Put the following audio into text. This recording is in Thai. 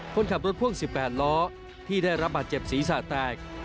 คนขับรถพ่วง๑๘ล้อที่ได้รับบาดเจ็บศีรษะแตก